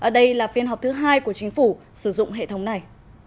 đây là phiên họp thứ hai của chính phủ sử dụng hệ thống này